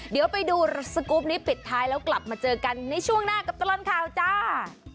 เดี๋ยวไปดูสกรูปนี้ปิดท้ายแล้วกลับมาเจอกันในช่วงหน้ากับตลอดข่าวจ้า